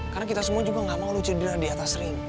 karena kita semua juga gak mau lu cedera di atas ring